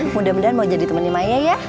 mudah mudahan mau jadi temannya maya ya